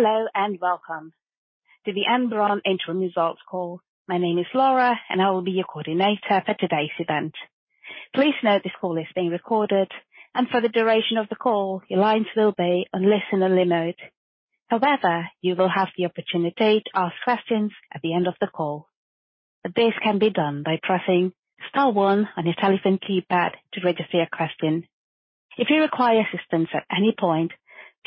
Hello, and welcome to the N Brown Interim Results call. My name is Laura, and I will be your coordinator for today's event. Please note, this call is being recorded, and for the duration of the call, your lines will be on listen-only mode. However, you will have the opportunity to ask questions at the end of the call. This can be done by pressing star one on your telephone keypad to register your question. If you require assistance at any point,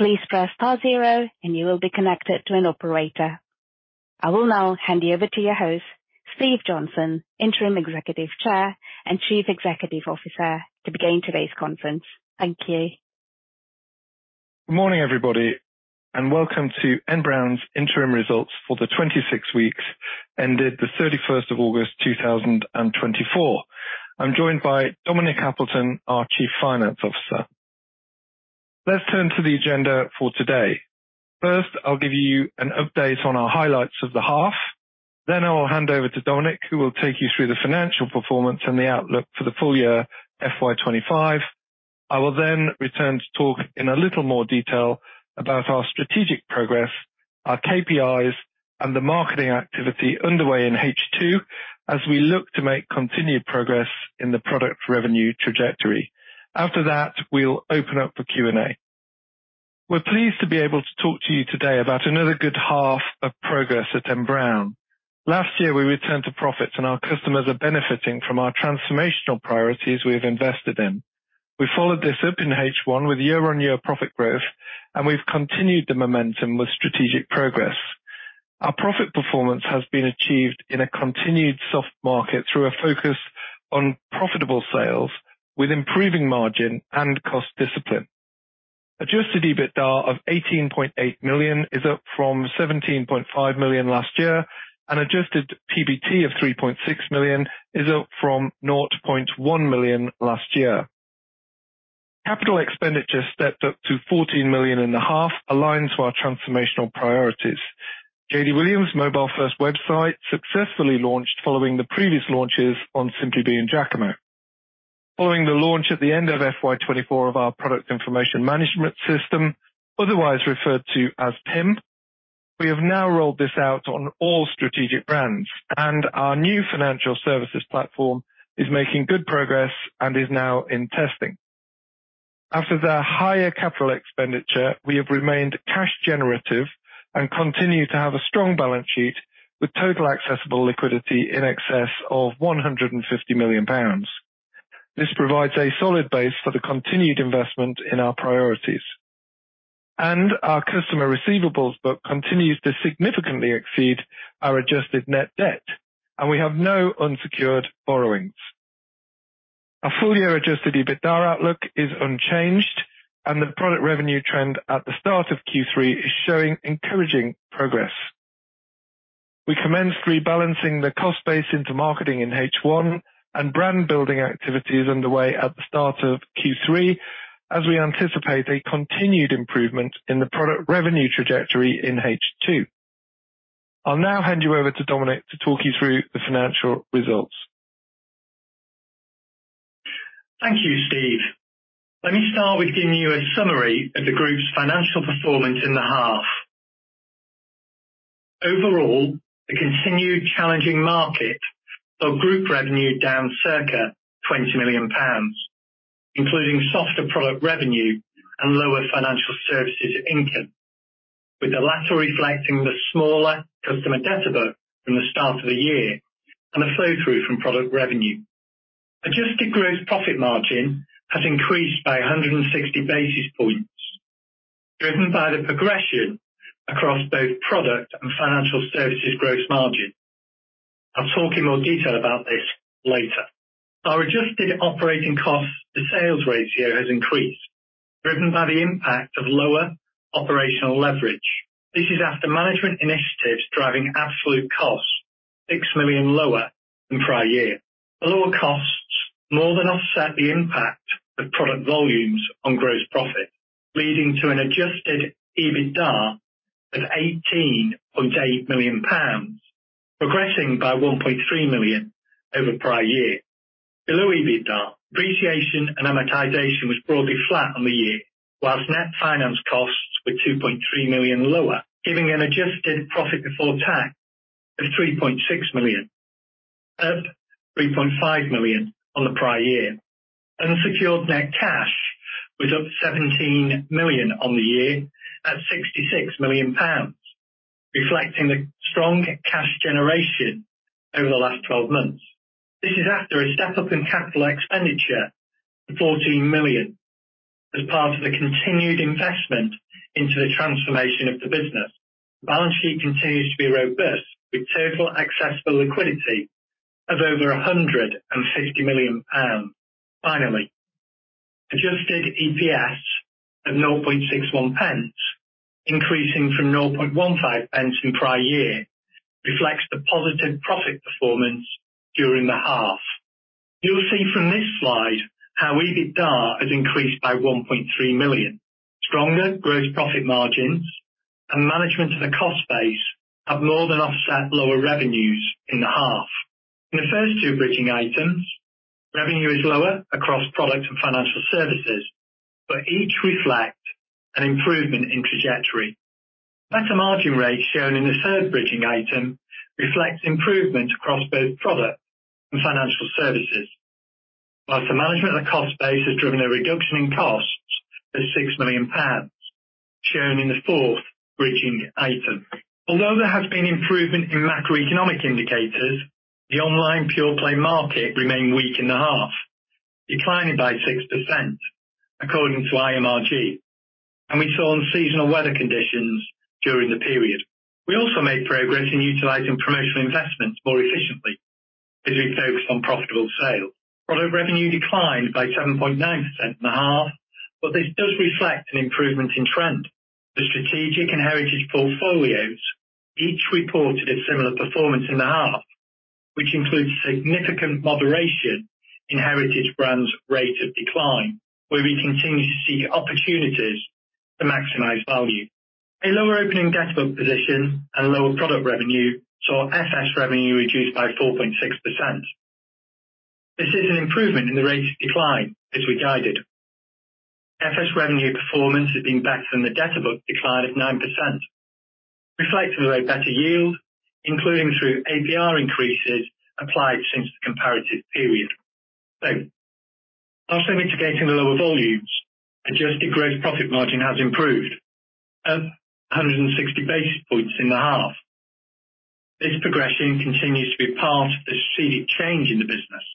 please press star zero and you will be connected to an operator. I will now hand you over to your host, Steve Johnson, Interim Executive Chair and Chief Executive Officer, to begin today's conference. Thank you. Good morning, everybody, and welcome to N Brown's interim results for the 26 weeks, ended the 31st of August, 2024. I'm joined by Dominic Appleton, our Chief Finance Officer. Let's turn to the agenda for today. First, I'll give you an update on our highlights of the half. Then I will hand over to Dominic, who will take you through the financial performance and the outlook for the full year, FY 2025. I will then return to talk in a little more detail about our strategic progress, our KPIs, and the marketing activity underway in H2 as we look to make continued progress in the product revenue trajectory. After that, we'll open up for Q&A. We're pleased to be able to talk to you today about another good half of progress at N Brown. Last year, we returned to profits, and our customers are benefiting from our transformational priorities we've invested in. We followed this up in H1 with year-on-year profit growth, and we've continued the momentum with strategic progress. Our profit performance has been achieved in a continued soft market through a focus on profitable sales, with improving margin and cost discipline. adjusted EBITDA of 18.8 million is up from 17.5 million last year, and adjusted PBT of 3.6 million is up from 0.1 million last year. Capital expenditure stepped up to 14 million in the half, aligned to our transformational priorities. JD Williams' mobile-first website successfully launched following the previous launches on Simply Be and Jacamo. Following the launch at the end of FY 2024 of our product information management system, otherwise referred to as PIM, we have now rolled this out on all strategic brands, and our new financial services platform is making good progress and is now in testing. After the higher capital expenditure, we have remained cash generative and continue to have a strong balance sheet, with total accessible liquidity in excess of 150 million pounds. This provides a solid base for the continued investment in our priorities, and our customer receivables book continues to significantly exceed our adjusted net debt, and we have no unsecured borrowings. Our full-year adjusted EBITDA outlook is unchanged, and the product revenue trend at the start of Q3 is showing encouraging progress. We commenced rebalancing the cost base into marketing in H1, and brand building activity is underway at the start of Q3, as we anticipate a continued improvement in the product revenue trajectory in H2. I'll now hand you over to Dominic to talk you through the financial results. Thank you, Steve. Let me start with giving you a summary of the group's financial performance in the half. Overall, the continued challenging market saw group revenue down circa 20 million pounds, including softer product revenue and lower financial services income, with the latter reflecting the smaller customer debt book from the start of the year and a flow-through from product revenue. Adjusted gross profit margin has increased by 160 basis points, driven by the progression across both product and financial services gross margin. I'll talk in more detail about this later. Our adjusted operating costs to sales ratio has increased, driven by the impact of lower operational leverage. This is after management initiatives driving absolute costs 6 million GBP lower than prior year. The lower costs more than offset the impact of product volumes on gross profit, leading to an adjusted EBITDA of 18.8 million pounds, progressing by 1.3 million over prior year. Below EBITDA, depreciation and amortization was broadly flat on the year, while net finance costs were 2.3 million lower, giving an adjusted profit before tax of 3.6 million, up 3.5 million on the prior year. And the secured net cash was up 17 million on the year, at 66 million pounds, reflecting the strong cash generation over the last twelve months. This is after a step-up in capital expenditure to 14 million, as part of the continued investment into the transformation of the business. The balance sheet continues to be robust, with total accessible liquidity of over 150 million pounds. Finally, adjusted EPS of 0.61 pence, increasing from 0.15 pence in prior year, reflects the positive profit performance during the half. You'll see from this slide how EBITDA has increased by 1.3 million. Stronger gross profit margins and management of the cost base have more than offset lower revenues in the half. In the first two bridging items, revenue is lower across products and financial services, but each reflect an improvement in trajectory. Better margin rates shown in the third bridging item reflects improvements across both product and financial services. While the management of the cost base has driven a reduction in costs of 6 million pounds, shown in the fourth bridging item. Although there has been improvement in macroeconomic indicators, the online pure play market remained weak in the half, declining by 6% according to IMRG, and we saw unseasonal weather conditions during the period. We also made progress in utilizing promotional investments more efficiently as we focused on profitable sales. Product revenue declined by 7.9% in the half, but this does reflect an improvement in trend. The strategic and heritage portfolios each reported a similar performance in the half, which includes significant moderation in Heritage Brands' rate of decline, where we continue to see opportunities to maximize value. A lower opening debtor book position and lower product revenue saw FS revenue reduced by 4.6%. This is an improvement in the rate of decline, as we guided. FS revenue performance has been backed from the debtor book decline of 9%, reflecting a better yield, including through APR increases applied since the comparative period, so partially mitigating the lower volumes, adjusted gross profit margin has improved at 160 basis points in the half. This progression continues to be part of the strategic change in the business,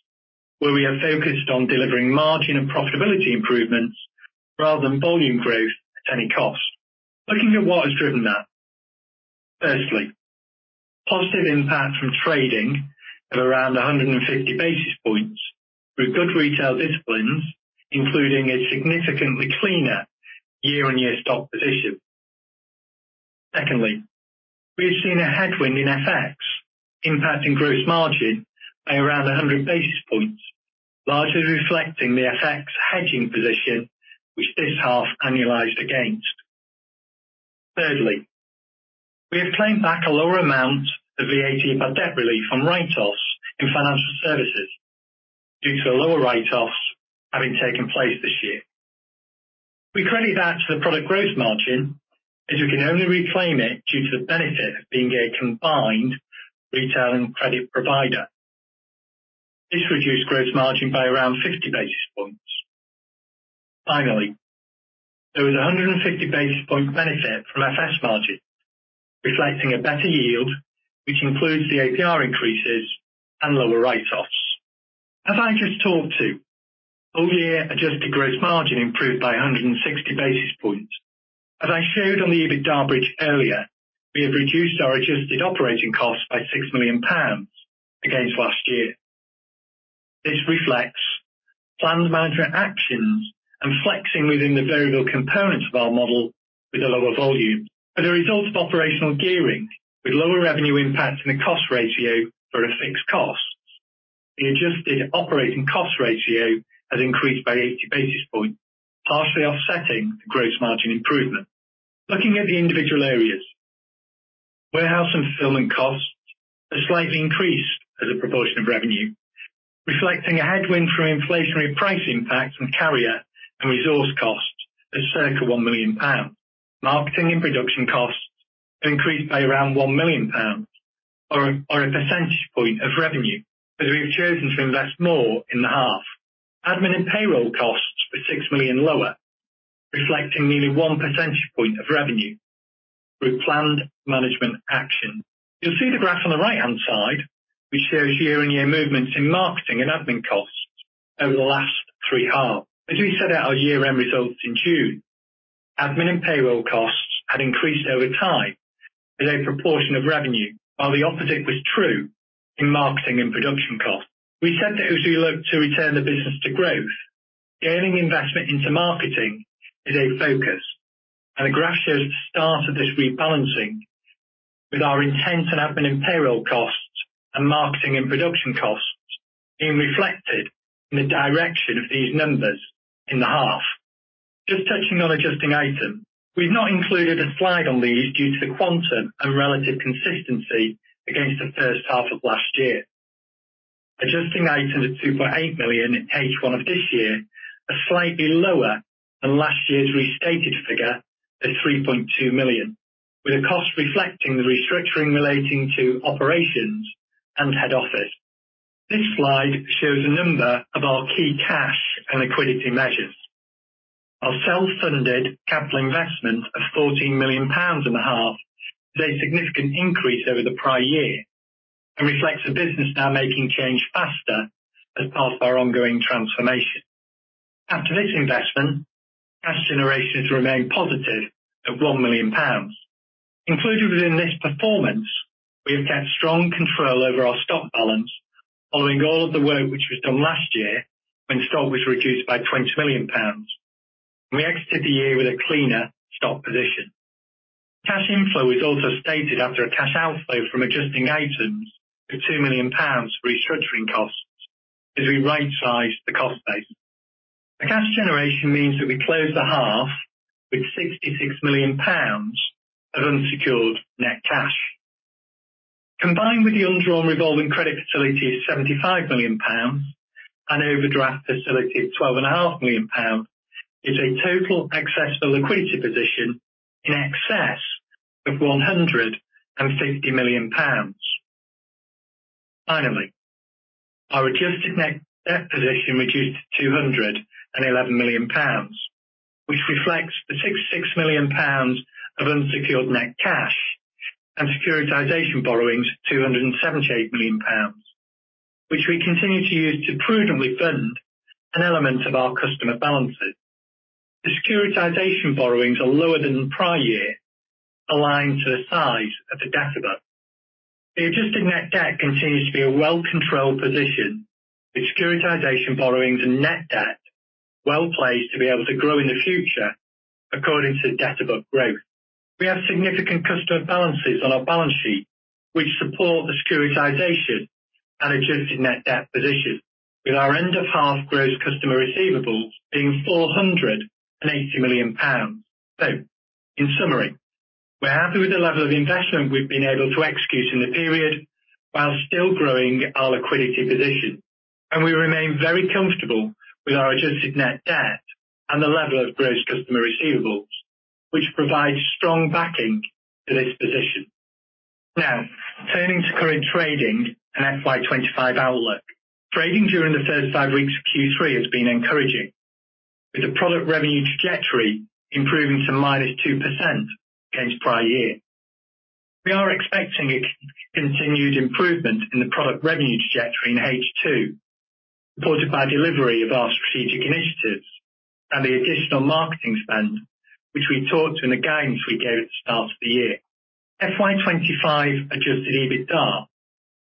where we are focused on delivering margin and profitability improvements rather than volume growth at any cost. Looking at what has driven that, firstly, positive impact from trading of around 150 basis points with good retail disciplines, including a significantly cleaner year-on-year stock position. Secondly, we have seen a headwind in FX impacting gross margin by around 100 basis points, largely reflecting the FX hedging position which this half annualized against. Thirdly, we have claimed back a lower amount of VAT and bad debt relief from write-offs in financial services due to the lower write-offs having taken place this year. We credit that to the product gross margin, as we can only reclaim it due to the benefit of being a combined retail and credit provider. This reduced gross margin by around 50 basis points. Finally, there was a 150 basis point benefit from FS margin, reflecting a better yield, which includes the APR increases and lower write-offs. As I just talked to, full year adjusted gross margin improved by 160 basis points. As I showed on the EBITDA bridge earlier, we have reduced our adjusted operating costs by 6 million pounds against last year. This reflects planned management actions and flexing within the variable components of our model with a lower volume. As a result of operational gearing, with lower revenue impacts and a cost ratio for a fixed cost, the adjusted operating cost ratio has increased by eighty basis points, partially offsetting the gross margin improvement. Looking at the individual areas, warehouse and fulfillment costs have slightly increased as a proportion of revenue, reflecting a headwind from inflationary price impacts from carrier and resource costs of circa 1 million pounds. Marketing and production costs increased by around 1 million pounds or a percentage point of revenue, as we have chosen to invest more in the half. Admin and payroll costs were 6 million lower, reflecting nearly one percentage point of revenue through planned management action. You'll see the graph on the right-hand side, which shows year-on-year movements in marketing and admin costs over the last three halves. As we set out our year-end results in June, admin and payroll costs had increased over time as a proportion of revenue, while the opposite was true in marketing and production costs. We said that as we look to return the business to growth, gaining investment into marketing is a focus, and the graph shows the start of this rebalancing with our intent on admin and payroll costs and marketing and production costs being reflected in the direction of these numbers in the half. Just touching on adjusting items. We've not included a slide on these due to the quantum and relative consistency against the first half of last year. Adjusting items of 2.8 million at H1 of this year are slightly lower than last year's restated figure of 3.2 million, with a cost reflecting the restructuring relating to operations and head office. This slide shows a number of our key cash and liquidity measures. Our self-funded capital investment of 14 million pounds in the half is a significant increase over the prior year, and reflects the business now making change faster as part of our ongoing transformation. After this investment, cash generation has remained positive at one million pounds. Included within this performance, we have kept strong control over our stock balance, following all of the work which was done last year, when stock was reduced by 20 million pounds. We exited the year with a cleaner stock position. Cash inflow is also stated after a cash outflow from adjusting items of two million pounds for restructuring costs as we rightsize the cost base. The cash generation means that we close the half with 66 million pounds of unsecured net cash. Combined with the undrawn revolving credit facility of GBP 75 million and overdraft facility of GBP 12.5 million is a total excess liquidity position in excess of 150 million pounds. Finally, our adjusted net debt position reduced to 211 million pounds, which reflects the 66 million pounds of unsecured net cash and securitization borrowings of 278 million pounds, which we continue to use to prudently fund an element of our customer balances. The securitization borrowings are lower than the prior year, aligned to the size of the debt book. The adjusted net debt continues to be a well-controlled position, with securitization borrowings and net debt well placed to be able to grow in the future according to debt book growth. We have significant customer balances on our balance sheet, which support the securitization and adjusted net debt position, with our end of half gross customer receivables being 480 million pounds. So in summary, we're happy with the level of investment we've been able to execute in the period, while still growing our liquidity position, and we remain very comfortable with our adjusted net debt and the level of gross customer receivables, which provides strong backing to this position. Now, turning to current trading and FY 2025 outlook. Trading during the first five weeks of Q3 has been encouraging, with the product revenue trajectory improving to minus 2% against prior year. We are expecting a continued improvement in the product revenue trajectory in H2, supported by delivery of our strategic initiatives and the additional marketing spend, which we talked to in the guidance we gave at the start of the year. FY 2025 adjusted EBITDA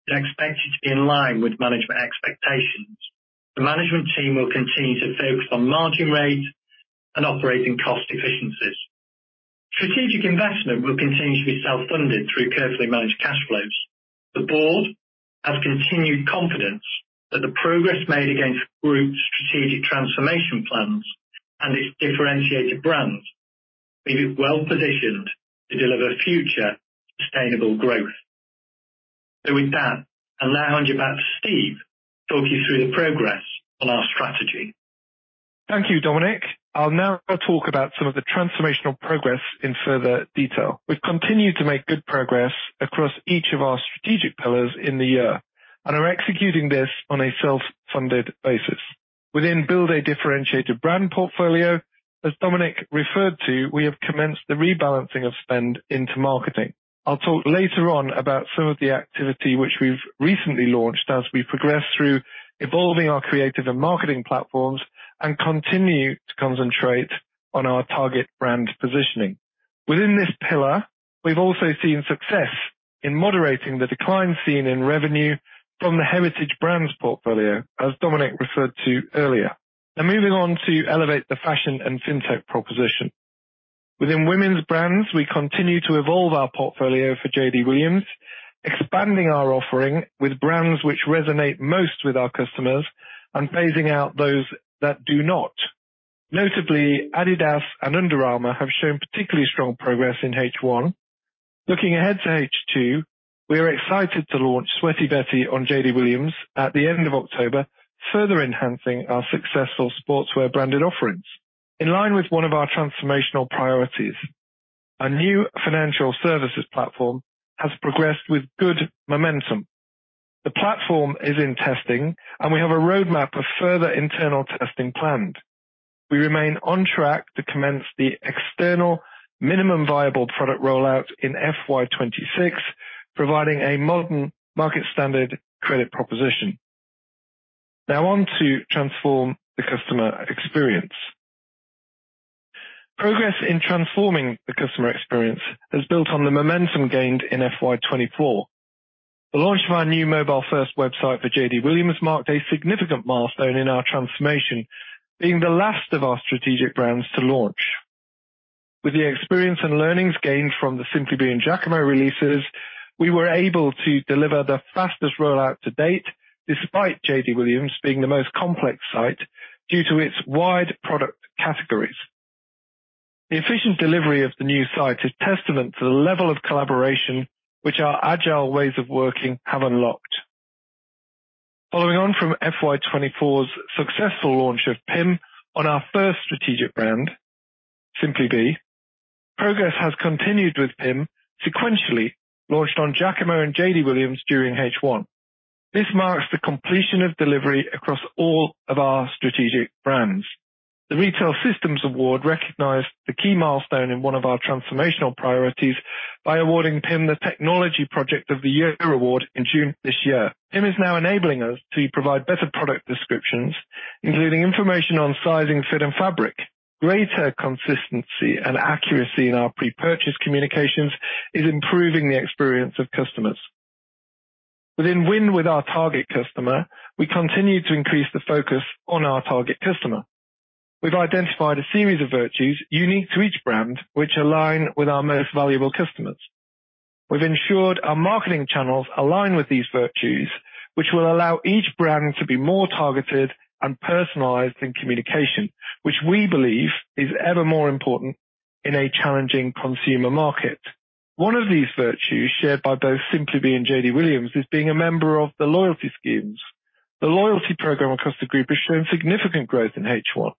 is expected to be in line with management expectations. The management team will continue to focus on margin rates and operating cost efficiencies. Strategic investment will continue to be self-funded through carefully managed cash flows. The board has continued confidence that the progress made against group strategic transformation plans and its differentiated brands, leave it well positioned to deliver future sustainable growth. So with that, I'll now hand you back to Steve, to talk you through the progress on our strategy. Thank you, Dominic. I'll now talk about some of the transformational progress in further detail. We've continued to make good progress across each of our strategic pillars in the year, and are executing this on a self-funded basis. Within build a differentiated brand portfolio, as Dominic referred to, we have commenced the rebalancing of spend into marketing. I'll talk later on about some of the activity which we've recently launched as we progress through evolving our creative and marketing platforms, and continue to concentrate on our target brand positioning. Within this pillar, we've also seen success in moderating the decline seen in revenue from the Heritage Brands portfolio, as Dominic referred to earlier. Now moving on to elevate the fashion and Fintech proposition. Within women's brands, we continue to evolve our portfolio for JD Williams, expanding our offering with brands which resonate most with our customers, and phasing out those that do not. Notably, Adidas and Under Armour have shown particularly strong progress in H1. Looking ahead to H2, we are excited to launch Sweaty Betty on JD Williams at the end of October, further enhancing our successful sportswear branded offerings. In line with one of our transformational priorities, a new financial services platform has progressed with good momentum. The platform is in testing, and we have a roadmap of further internal testing planned. We remain on track to commence the external minimum viable product rollout in FY 2026, providing a modern market standard credit proposition. Now on to transform the customer experience. Progress in transforming the customer experience is built on the momentum gained in FY 2024. The launch of our new mobile-first website for JD Williams marked a significant milestone in our transformation, being the last of our strategic brands to launch. With the experience and learnings gained from the Simply Be and Jacamo releases, we were able to deliver the fastest rollout to date, despite JD Williams being the most complex site due to its wide product categories. The efficient delivery of the new site is testament to the level of collaboration, which our agile ways of working have unlocked. Following on from FY 2024's successful launch of PIM on our first strategic brand, Simply Be, progress has continued with PIM, sequentially launched on Jacamo and JD Williams during H1. This marks the completion of delivery across all of our strategic brands. The Retail Systems Award recognized the key milestone in one of our transformational priorities by awarding PIM the Technology Project of the Year Award in June this year. PIM is now enabling us to provide better product descriptions, including information on sizing, fit, and fabric. Greater consistency and accuracy in our pre-purchase communications is improving the experience of customers. Within winning with our target customer, we continue to increase the focus on our target customer. We've identified a series of virtues unique to each brand, which align with our most valuable customers. We've ensured our marketing channels align with these virtues, which will allow each brand to be more targeted and personalized in communication, which we believe is ever more important in a challenging consumer market. One of these virtues, shared by both Simply Be and JD Williams, is being a member of the loyalty schemes. The loyalty program across the group has shown significant growth in H1.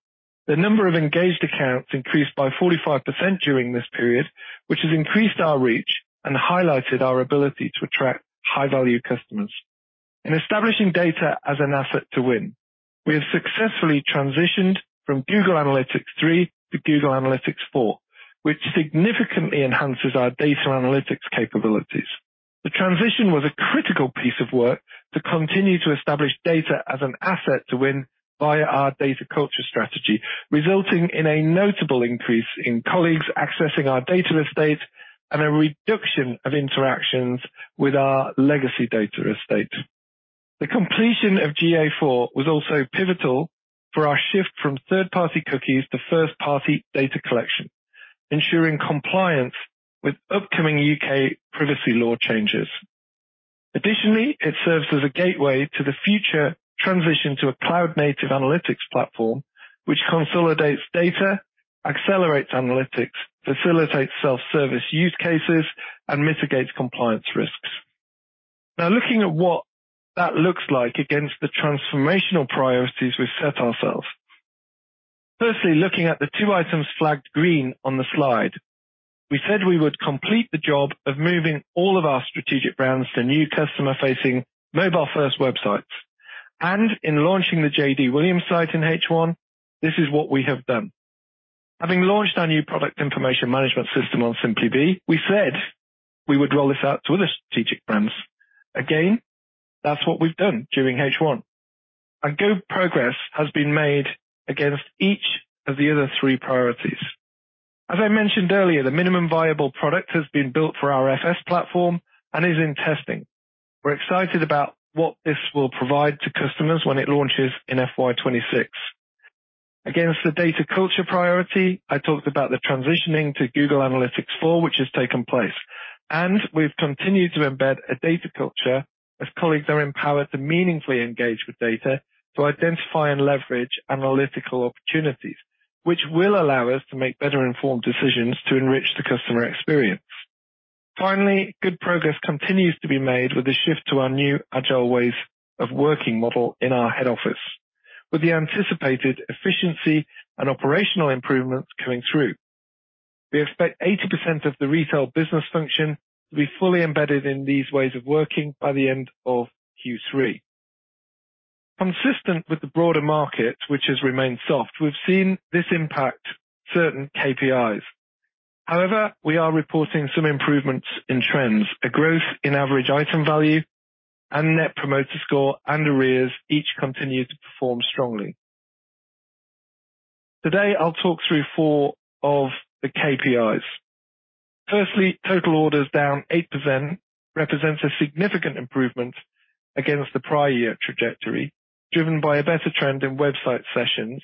The number of engaged accounts increased by 45% during this period, which has increased our reach and highlighted our ability to attract high-value customers. In establishing data as an asset to win, we have successfully transitioned from Google Analytics 3 to Google Analytics 4, which significantly enhances our data analytics capabilities. The transition was a critical piece of work to continue to establish data as an asset to win via our data culture strategy, resulting in a notable increase in colleagues accessing our data estate and a reduction of interactions with our legacy data estate. The completion of GA4 was also pivotal for our shift from third-party cookies to first-party data collection, ensuring compliance with upcoming UK privacy law changes. Additionally, it serves as a gateway to the future transition to a cloud-native analytics platform, which consolidates data, accelerates analytics, facilitates self-service use cases, and mitigates compliance risks. Now, looking at what that looks like against the transformational priorities we've set ourselves. Firstly, looking at the two items flagged green on the slide, we said we would complete the job of moving all of our strategic brands to new customer-facing, mobile-first websites, and in launching the JD Williams site in H1, this is what we have done. Having launched our new product information management system on Simply Be, we said we would roll this out to other strategic brands. Again, that's what we've done during H1, and good progress has been made against each of the other three priorities. As I mentioned earlier, the minimum viable product has been built for our FS platform and is in testing. We're excited about what this will provide to customers when it launches in FY 2026. Against the data culture priority, I talked about the transitioning to Google Analytics 4, which has taken place, and we've continued to embed a data culture as colleagues are empowered to meaningfully engage with data to identify and leverage analytical opportunities, which will allow us to make better informed decisions to enrich the customer experience. Finally, good progress continues to be made with the shift to our new Agile ways of working model in our head office, with the anticipated efficiency and operational improvements coming through. We expect 80% of the retail business function to be fully embedded in these ways of working by the end of Q3. Consistent with the broader market, which has remained soft, we've seen this impact certain KPIs. However, we are reporting some improvements in trends. A growth in average item value and Net Promoter Score and arrears each continue to perform strongly. Today, I'll talk through four of the KPIs. Firstly, total orders down 8% represents a significant improvement against the prior year trajectory, driven by a better trend in website sessions,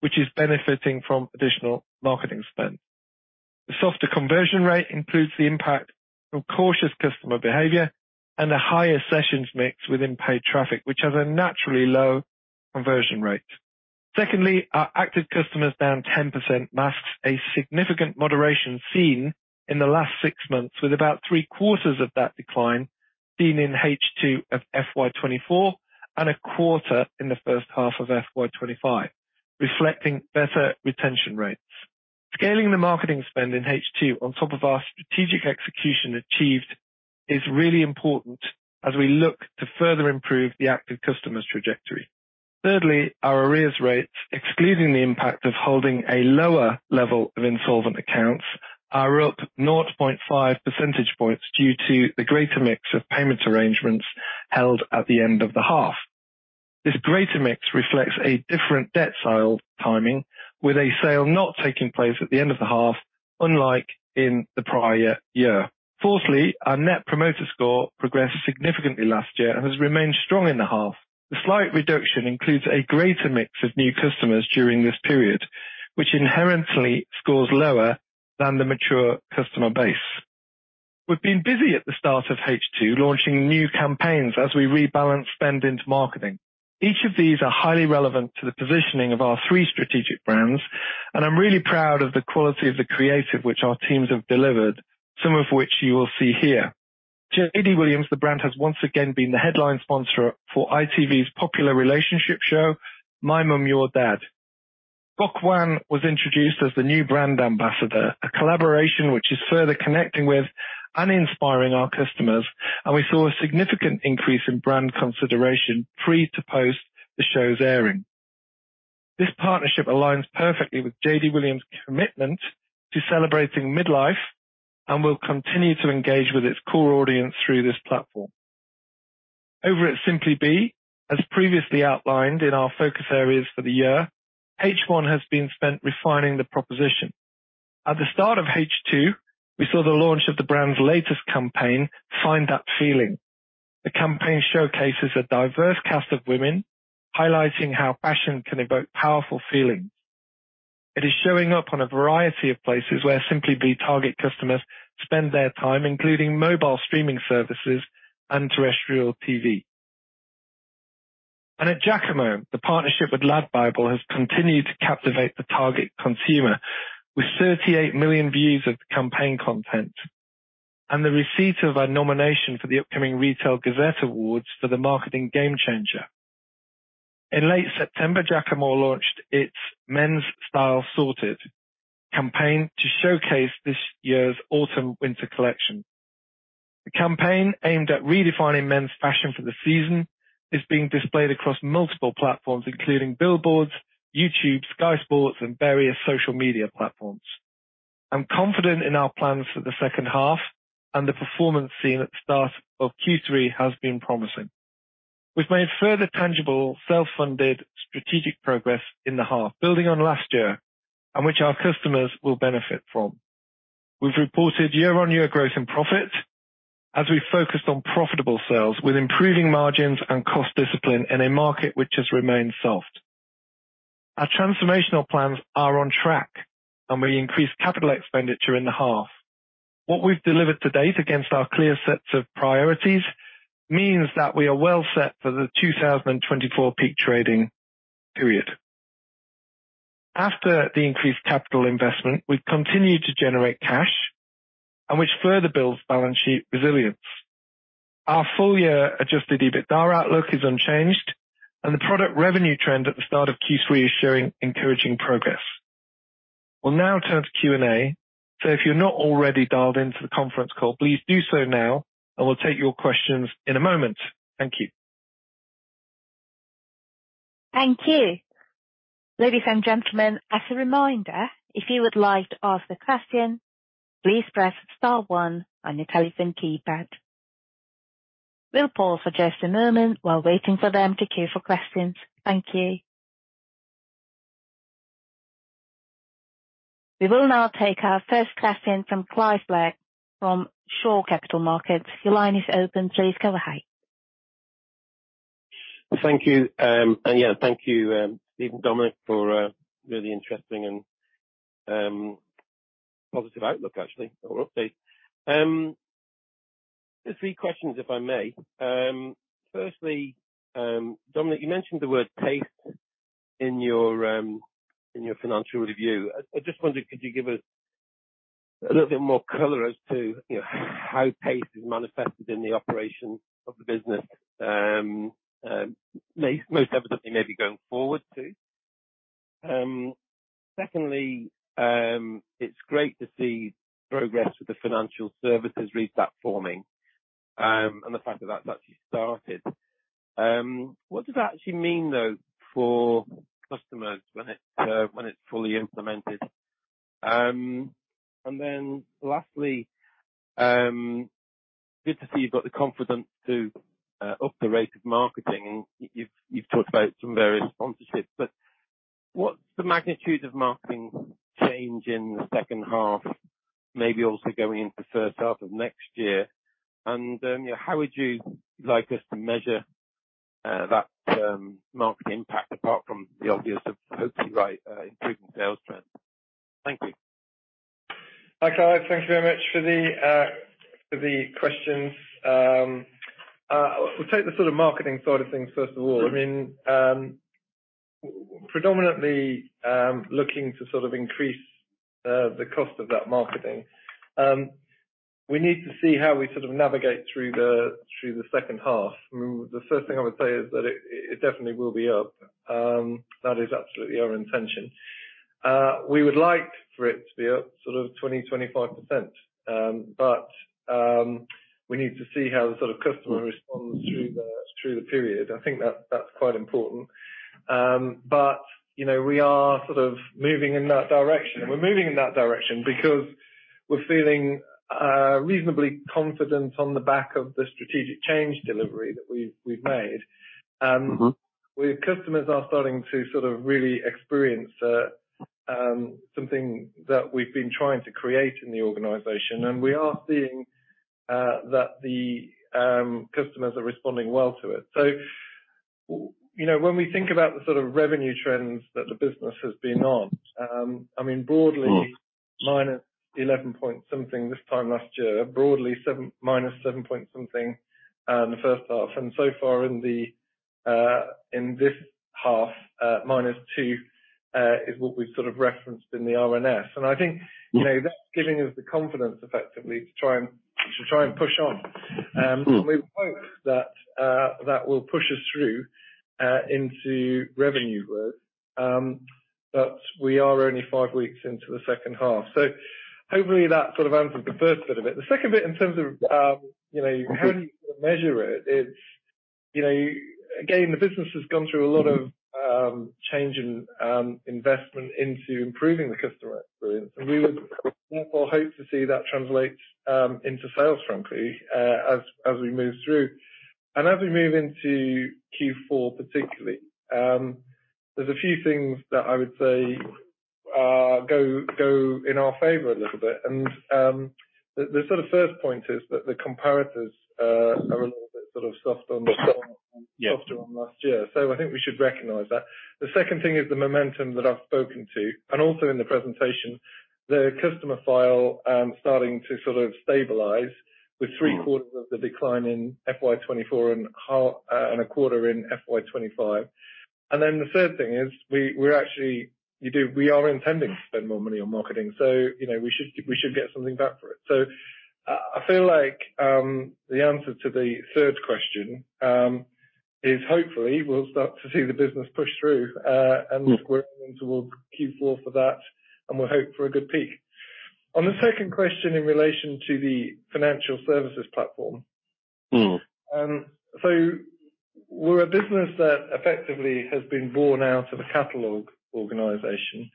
which is benefiting from additional marketing spend. The softer conversion rate includes the impact from cautious customer behavior and a higher sessions mix within paid traffic, which has a naturally low conversion rate. Secondly, our active customers down 10% masks a significant moderation seen in the last six months, with about three-quarters of that decline being in H2 of FY 2024 and a quarter in the first half of FY 2025, reflecting better retention rates. Scaling the marketing spend in H2 on top of our strategic execution achieved is really important as we look to further improve the active customers trajectory. Thirdly, our arrears rates, excluding the impact of holding a lower level of insolvent accounts, are up 0.5 percentage points due to the greater mix of payment arrangements held at the end of the half. This greater mix reflects a different debt sale timing, with a sale not taking place at the end of the half, unlike in the prior year. Fourthly, our Net Promoter Score progressed significantly last year and has remained strong in the half. The slight reduction includes a greater mix of new customers during this period, which inherently scores lower than the mature customer base. We've been busy at the start of H2, launching new campaigns as we rebalance spend into marketing. Each of these are highly relevant to the positioning of our three strategic brands, and I'm really proud of the quality of the creative which our teams have delivered, some of which you will see here. JD Williams, the brand, has once again been the headline sponsor for ITV's popular relationship show, My Mum, Your Dad. Gok Wan was introduced as the new brand ambassador, a collaboration which is further connecting with and inspiring our customers, and we saw a significant increase in brand consideration pre to post the show's airing. This partnership aligns perfectly with JD Williams' commitment to celebrating midlife and will continue to engage with its core audience through this platform. Over at Simply Be, as previously outlined in our focus areas for the year, H1 has been spent refining the proposition. At the start of H2, we saw the launch of the brand's latest campaign, Find That Feeling. The campaign showcases a diverse cast of women, highlighting how passion can evoke powerful feelings. It is showing up on a variety of places where Simply Be target customers spend their time, including mobile streaming services and terrestrial TV. And at Jacamo, the partnership with LADbible has continued to captivate the target consumer, with 38 million views of the campaign content, and the receipt of our nomination for the upcoming Retail Gazette Awards for the Marketing Game Changer. In late September, Jacamo launched its Men's Style Sorted campaign to showcase this year's autumn/winter collection. The campaign, aimed at redefining men's fashion for the season, is being displayed across multiple platforms, including billboards, YouTube, Sky Sports, and various social media platforms. I'm confident in our plans for the second half, and the performance seen at the start of Q3 has been promising. We've made further tangible, self-funded strategic progress in the half, building on last year, and which our customers will benefit from. We've reported year-on-year growth in profit as we focused on profitable sales with improving margins and cost discipline in a market which has remained soft. Our transformational plans are on track, and we increased capital expenditure in the half. What we've delivered to date against our clear sets of priorities, means that we are well set for the 2024 peak trading period. After the increased capital investment, we've continued to generate cash, and which further builds balance sheet resilience. Our full year adjusted EBITDA outlook is unchanged, and the product revenue trend at the start of Q3 is showing encouraging progress. We'll now turn to Q&A, so if you're not already dialed into the conference call, please do so now, and we'll take your questions in a moment. Thank you. Thank you. Ladies and gentlemen, as a reminder, if you would like to ask a question, please press star one on your telephone keypad. We'll pause for just a moment while waiting for them to queue for questions. Thank you. We will now take our first question from Clive Black, from Shore Capital Markets. Your line is open. Please go ahead. Thank you, and yeah, thank you, Steve and Dominic, for a really interesting and positive outlook, actually, or update. Just three questions, if I may. Firstly, Dominic, you mentioned the word pace in your financial review. I just wondered, could you give us a little bit more color as to, you know, how pace is manifested in the operation of the business, most evidently, maybe going forward, too? Secondly, it's great to see progress with the financial services platforming, and the fact that that's actually started. What does that actually mean, though, for customers when it, when it's fully implemented? And then lastly, good to see you've got the confidence to up the rate of marketing. You've talked about some various sponsorships, but what's the magnitude of marketing change in the second half, maybe also going into the first half of next year? And, yeah, how would you like us to measure that marketing impact, apart from the obvious of, hopefully, right, improving sales trends? Thank you. Hi, Clive. Thank you very much for the, for the questions. We'll take the sort of marketing side of things, first of all. I mean, predominantly, looking to sort of increase, the cost of that marketing, we need to see how we sort of navigate through the, through the second half. I mean, the first thing I would say is that it, it definitely will be up. That is absolutely our intention. We would like for it to be up sort of 20-25%, but, we need to see how the sort of customer responds through the, through the period. I think that's, that's quite important. But, you know, we are sort of moving in that direction. We're moving in that direction because we're feeling reasonably confident on the back of the strategic change delivery that we've made. Mm-hmm. Where customers are starting to sort of really experience something that we've been trying to create in the organization, and we are seeing that the customers are responding well to it. So, you know, when we think about the sort of revenue trends that the business has been on, I mean, broadly- Mm-hmm. - minus 11 point something this time last year, broadly 7, minus 7 point something, in the first half, and so far in this half, minus 2, is what we've sort of referenced in the RNS. Mm-hmm. And I think, you know, that's giving us the confidence, effectively, to try and push on. Mm-hmm. And we hope that that will push us through into revenue growth. But we are only five weeks into the second half. So hopefully, that sort of answers the first bit of it. The second bit in terms of, you know- Mm-hmm -how do you measure it, it's, you know, again, the business has gone through a lot of change and investment into improving the customer experience, and we would therefore hope to see that translate into sales, frankly, as we move through. And as we move into Q4, particularly, there's a few things that I would say go in our favor a little bit. And the sort of first point is that the comparators are a little bit sort of soft on the- Yep. —softer on last year, so I think we should recognize that. The second thing is the momentum that I've spoken to, and also in the presentation... the customer file, starting to sort of stabilize with three-quarters of the decline in FY 2024 and half, and a quarter in FY 2025. And then the third thing is we're actually we are intending to spend more money on marketing, so, you know, we should, we should get something back for it. So I feel like, the answer to the third question, is hopefully we'll start to see the business push through, uh,— Mm. and we're moving towards Q4 for that, and we'll hope for a good peak. On the second question, in relation to the financial services platform. Mm. So we're a business that effectively has been born out of a catalog organization,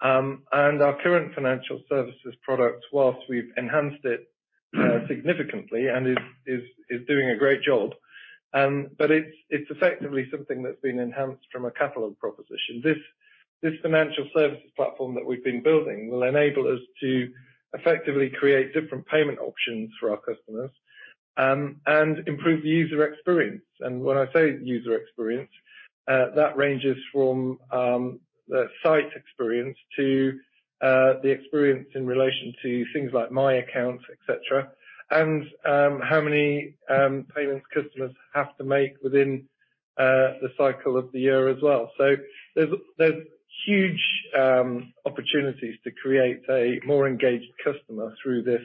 and our current financial services product, while we've enhanced it significantly and is doing a great job, but it's effectively something that's been enhanced from a catalog proposition. This financial services platform that we've been building will enable us to effectively create different payment options for our customers, and improve the user experience, and when I say user experience, that ranges from the site experience to the experience in relation to things like My Account, et cetera, and how many payments customers have to make within the cycle of the year as well, so there's huge opportunities to create a more engaged customer through this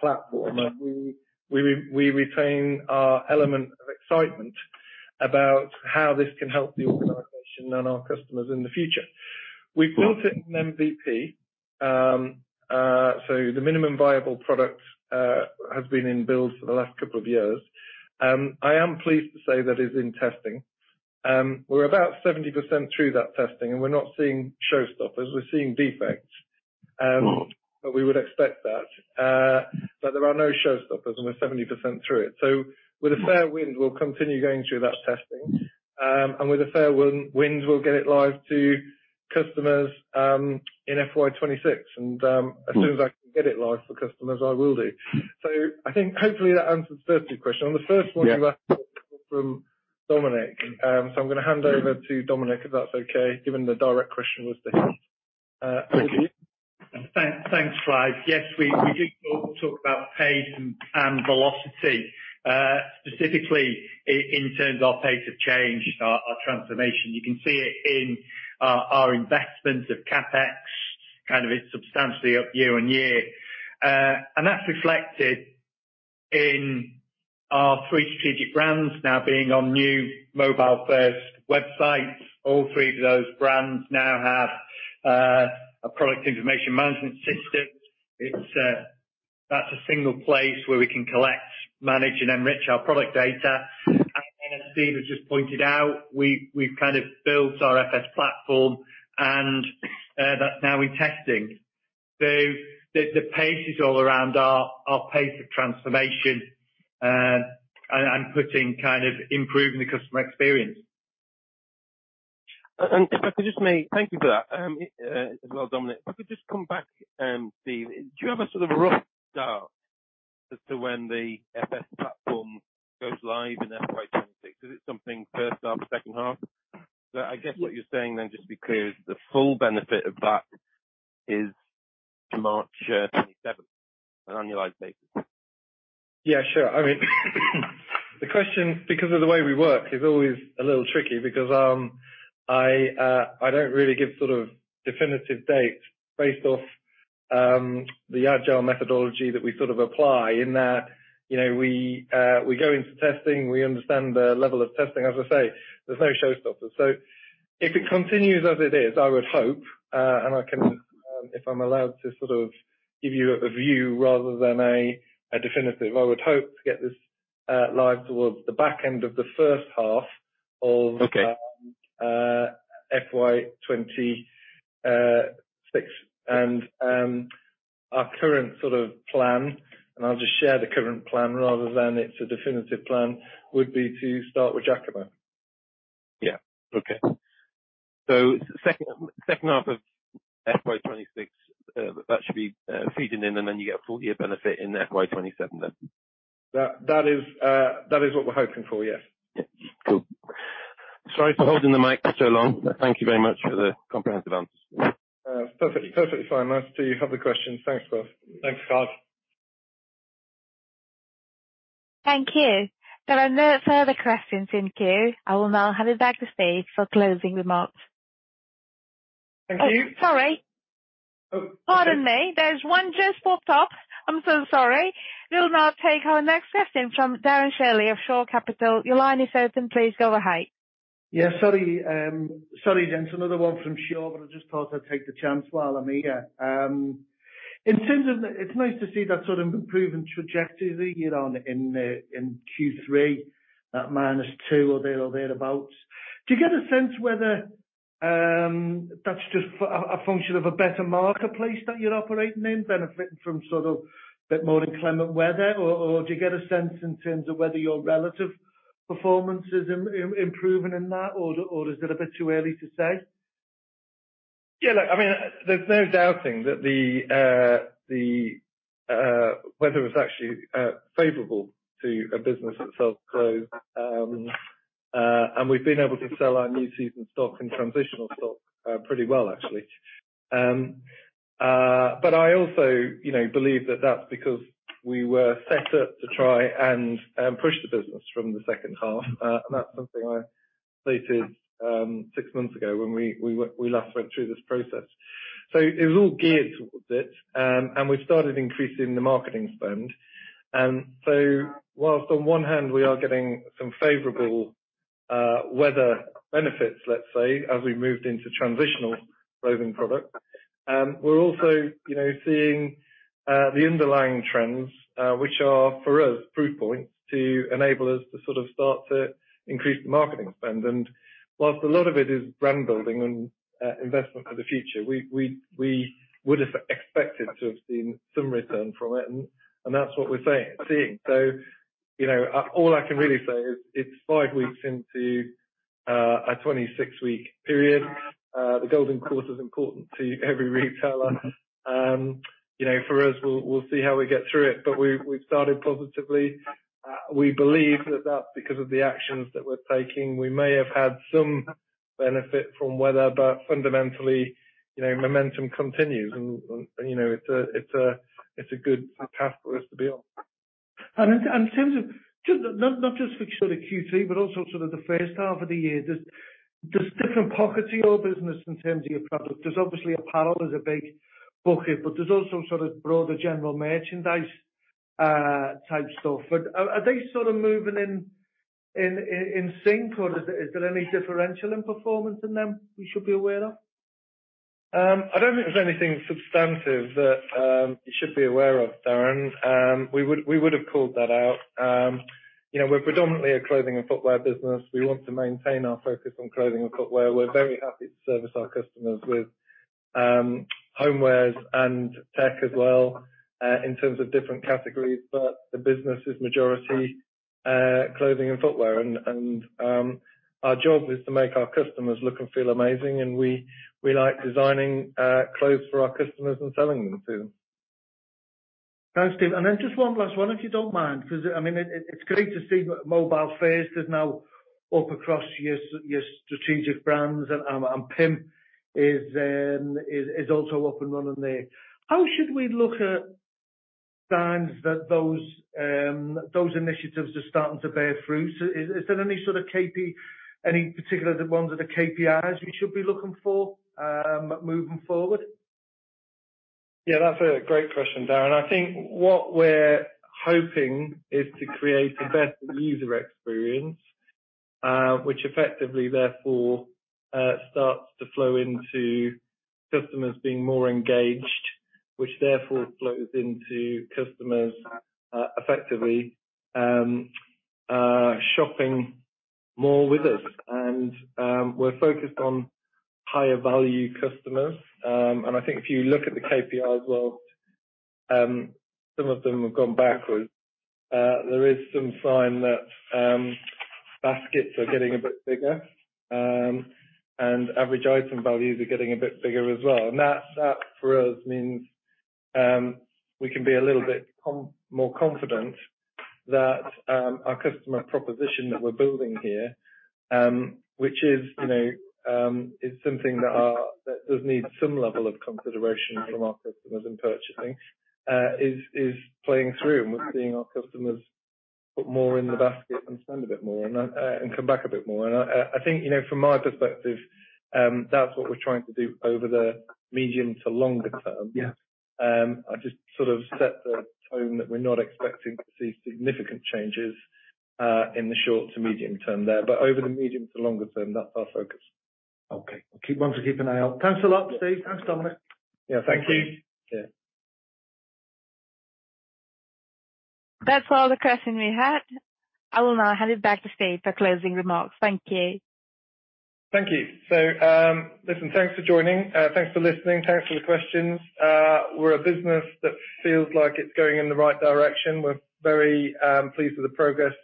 platform. Mm-hmm. And we retain our element of excitement about how this can help the organization- Mm. and our customers in the future. Mm. We've built it in MVP. So the minimum viable product has been in build for the last couple of years. I am pleased to say that it's in testing. We're about 70% through that testing, and we're not seeing showstoppers. We're seeing defects. Mm. But we would expect that. But there are no showstoppers, and we're 70% through it. So with a fair wind, we'll continue going through that testing. Mm. And with a fair wind, we'll get it live to customers in FY 2026. Mm. As soon as I can get it live for customers, I will do. Mm. So, I think hopefully that answers the first two questions. On the first one- Yeah. You asked from Dominic. So I'm gonna hand over to Dominic, if that's okay, given the direct question was to him. Okay. Thanks, Clive. Yes, we did talk about pace and velocity, specifically in terms of our pace of change, our transformation. You can see it in our investments of CapEx, kind of, it's substantially up year on year. And that's reflected in our three strategic brands now being on new mobile-first websites. All three of those brands now have a product information management system. It's that's a single place where we can collect, manage, and enrich our product data. Mm. As Steve has just pointed out, we've kind of built our FS platform, and that's now in testing. The pace is all around our pace of transformation, and putting kind of improving the customer experience. Thank you for that, as well, Dominic. If I could just come back, Steve, do you have a sort of rough start as to when the FS platform goes live in FY 2026? Is it something first half or second half? So I guess what you're saying then, just to be clear, is the full benefit of that is March 2027, on an annualized basis. Yeah, sure. I mean, the question, because of the way we work, is always a little tricky because I don't really give sort of definitive dates based off the Agile methodology that we sort of apply in that, you know, we go into testing, we understand the level of testing. As I say, there's no showstopper. So if it continues as it is, I would hope and I can... If I'm allowed to sort of give you a view rather than a definitive, I would hope to get this live towards the back end of the first half of- Okay. - FY 2026. And, our current sort of plan, and I'll just share the current plan rather than it's a definitive plan, would be to start with Jacamo. Yeah. Okay. So second half of FY 2026, that should be feeding in, and then you get a full year benefit in FY 2027 then? That is what we're hoping for, yes. Yeah. Cool. Sorry for holding the mic for so long. Thank you very much for the comprehensive answers. Perfectly fine. Nice to have the questions. Thanks, Clive. Thank you. There are no further questions in queue. I will now hand it back to Steve for closing remarks. Thank you. Oh, sorry. Oh, okay. Pardon me. There's one just popped up. I'm so sorry. We'll now take our next question from Darren Shirley of Shore Capital. Your line is open. Please go ahead. Yeah, sorry, sorry, gents, another one from Shore, but I just thought I'd take the chance while I'm here. In terms of the... It's nice to see that sort of improving trajectory year on in Q3, minus two or thereabouts. Do you get a sense whether that's just a function of a better marketplace that you're operating in, benefiting from sort of a bit more inclement weather, or do you get a sense in terms of whether your relative performance is improving in that, or is it a bit too early to say? Yeah, look, I mean, there's no doubting that the weather was actually favorable to a business that sells clothes. And we've been able to sell our new season stock and transitional stock pretty well, actually. But I also, you know, believe that that's because we were set up to try and push the business from the second half. And that's something I stated six months ago when we last went through this process. So it was all geared towards it and we started increasing the marketing spend. So while on one hand, we are getting some favorable weather benefits, let's say, as we moved into transitional clothing product, we're also, you know, seeing the underlying trends, which are, for us, proof points to enable us to sort of start to increase the marketing spend. And while a lot of it is brand building and investment for the future, we would have expected to have seen some return from it, and that's what we're seeing. So, you know, all I can really say is, it's five weeks into a 26 week period. The Golden Quarter is important to every retailer. You know, for us, we'll see how we get through it, but we've started positively. We believe that that's because of the actions that we're taking. We may have had some benefit from weather, but fundamentally, you know, momentum continues, and you know, it's a good path for us to be on. In terms of just not just for sort of Q3, but also sort of the first half of the year, there's different pockets of your business in terms of your product. There's obviously apparel is a big bucket, but there's also sort of broader general merchandise type stuff. But are they sort of moving in sync, or is there any differential in performance in them we should be aware of? I don't think there's anything substantive that you should be aware of, Darren. We would have called that out. You know, we're predominantly a clothing and footwear business. We want to maintain our focus on clothing and footwear. We're very happy to service our customers with homewares and tech as well in terms of different categories, but the business is majority clothing and footwear. Our job is to make our customers look and feel amazing, and we like designing clothes for our customers and selling them too. Thanks, Steve. And then just one last one, if you don't mind, because, I mean, it's great to see that mobile-first is now up across your your strategic brands, and and PIM is also up and running there. How should we look at signs that those those initiatives are starting to bear fruit? So is there any sort of Any particular ones of the KPIs we should be looking for, moving forward? Yeah, that's a great question, Darren. I think what we're hoping is to create the best user experience, which effectively therefore starts to flow into customers being more engaged, which therefore flows into customers effectively shopping more with us. And we're focused on higher value customers, and I think if you look at the KPIs as well, some of them have gone backwards. There is some sign that baskets are getting a bit bigger, and average item values are getting a bit bigger as well. And that for us means we can be a little bit more confident that our customer proposition that we're building here, which is, you know, is something that does need some level of consideration from our customers in purchasing, is playing through and we're seeing our customers put more in the basket and spend a bit more and come back a bit more. And I think, you know, from my perspective, that's what we're trying to do over the medium to longer term. Yeah. I just sort of set the tone that we're not expecting to see significant changes in the short to medium term there, but over the medium to longer term, that's our focus. Okay. One to keep an eye out. Thanks a lot, Steve. Thanks, Dominic. Yeah, thank you. Thank you. Yeah. That's all the questions we have. I will now hand it back to Steve for closing remarks. Thank you. Thank you. So, listen, thanks for joining. Thanks for listening. Thanks for the questions. We're a business that feels like it's going in the right direction. We're very pleased with the progress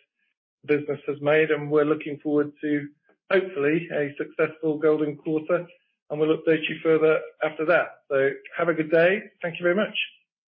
the business has made, and we're looking forward to, hopefully, a successful golden quarter, and we'll update you further after that. So have a good day. Thank you very much.